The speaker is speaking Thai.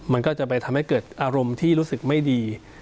มันก็จะไปทำให้เกิดอารมณ์ที่รู้สึกไม่ดี